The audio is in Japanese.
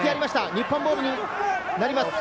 日本ボールになります。